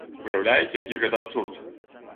Уяўляеце, які гэта абсурд?